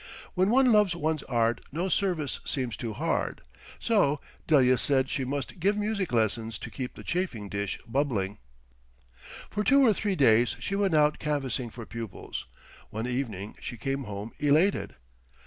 When one loves one's Art no service seems too hard. So, Delia said she must give music lessons to keep the chafing dish bubbling. For two or three days she went out canvassing for pupils. One evening she came home elated.